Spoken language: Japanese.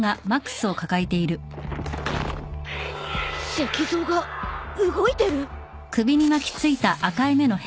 石像が動いてる！？